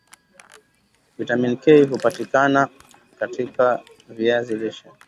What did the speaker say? vitamini K hupatikana katika viazi lishe